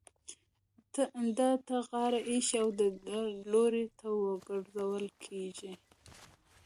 ده ته غاړه ايښې او د ده لوري ته ورگرځول كېږي.